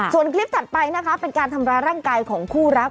ส่วนคลิปถัดไปนะคะเป็นการทำร้ายร่างกายของคู่รัก